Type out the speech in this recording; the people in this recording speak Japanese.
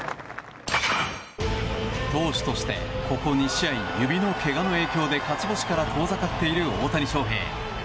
投手としてここ２試合、指のけがの影響で勝ち星から遠ざかっている大谷翔平。